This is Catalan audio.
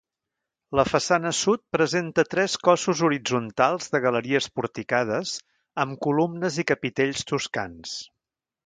La façana sud presenta tres cossos horitzontals de galeries porticades, amb columnes i capitells toscans.